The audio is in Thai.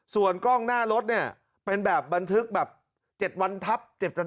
ส่วนกล้องหน้ารถแบบบันทึก๗วันทับ